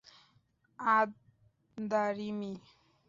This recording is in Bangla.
আদ-দারিমি